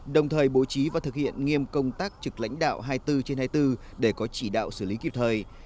đồng thời bố trí và thực hiện nghiêm công tác trực lãnh đạo hai mươi bốn trên hai mươi bốn để có chỉ đạo xử lý kịp thời